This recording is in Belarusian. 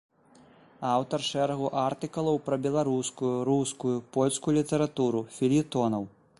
Аўтар шэрагу артыкулаў пра беларускую, рускую, польскую літаратуру, фельетонаў.